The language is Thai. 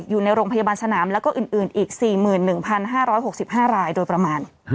อยู่ในโรงพยาบาลสนามแล้วก็อื่นอีก๔๑๕๖๕รายโดยประมาณ